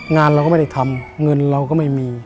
งานเราก็ไม่ได้ทำเงินเราก็ไม่มี